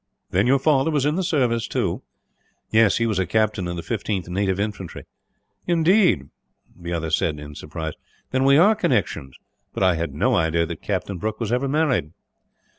"Then your father was in the service, too?" "Yes. He was a captain in the 15th Native Infantry." "Indeed," the other said in surprise, "then we are connections. But I had no idea that Captain Brooke was ever married."